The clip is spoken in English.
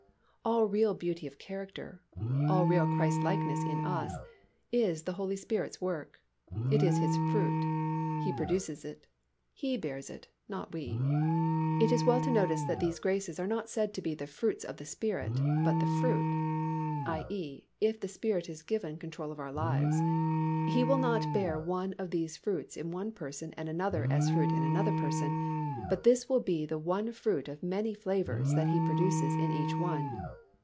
All real beauty of character, all real Christlikeness in us, is the Holy Spirit's work; it is His fruit; He produces it; He bears it, not we. It is well to notice that these graces are not said to be the fruits of the Spirit but the fruit, i. e., if the Spirit is given control of our life, He will not bear one of these as fruit in one person and another as fruit in another person, but this will be the one fruit of many flavours that He produces in each one.